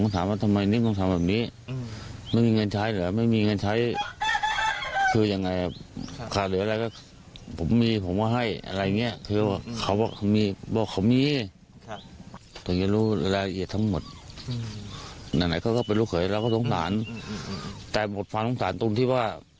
ส่วนเรื่องสำคัญก็คือการตามตัวน้องต่อต่าว